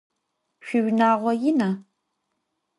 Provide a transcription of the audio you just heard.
Şüiunağo yina?